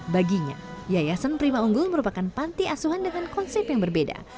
baginya yayasan prima unggul merupakan panti asuhan dengan konsep yang berbeda